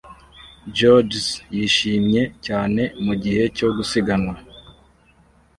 Joggers yishimye cyane mugihe cyo gusiganwa